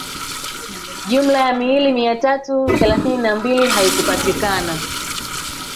Jumla ya miili mia tatu thelathini na mbili haikupatikana